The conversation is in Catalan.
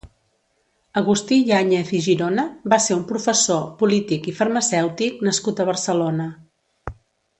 Agustí Yáñez i Girona va ser un professor, polític i farmacèutic nascut a Barcelona.